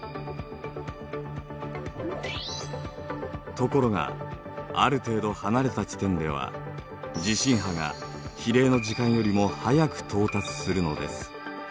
ところがある程度離れた地点では地震波が比例の時間よりも早く到達するのです。